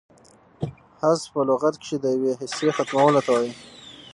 حذف په لغت کښي د یوې حصې ختمولو ته وايي.